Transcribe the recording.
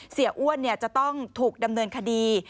เสียอ้วนจะต้องถูกดำเนินคดี